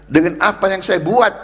dengan apa yang saya buat